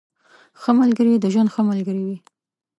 ښه ملګري د ژوند ښه ملګري وي.